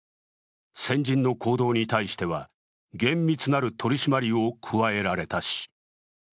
鮮人の行動に対しては厳密なる取り締まりを加えられたし。